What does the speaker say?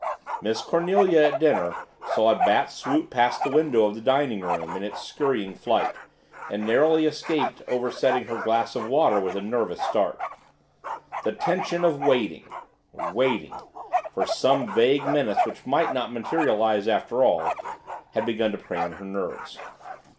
Miss Cornelia, at dinner, saw a bat swoop past the window of the dining room in its scurrying flight, and narrowly escaped oversetting her glass of water with a nervous start. The tension of waiting waiting for some vague menace which might not materialize after all had begun to prey on her nerves.